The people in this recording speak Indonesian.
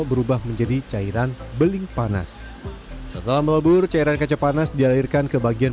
berubah menjadi cairan beling panas setelah melebur cairan kaca panas dilahirkan ke bagian